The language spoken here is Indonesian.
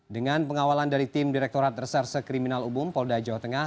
dengan pengawalan dari tim direktorat reserse kriminal umum polda jawa tengah